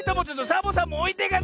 サボさんもおいてかないで！